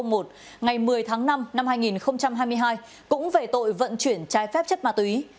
ngày một mươi tháng năm năm hai nghìn hai mươi hai cũng về tội vận chuyển trái phép chất ma túy